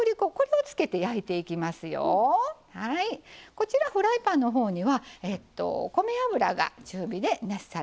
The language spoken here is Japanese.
こちらフライパンのほうには米油が中火で熱されていますね。